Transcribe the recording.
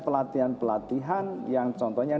pelatihan pelatihan yang contohnya